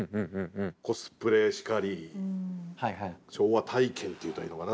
コスプレしかり昭和体験っていったらいいのかな。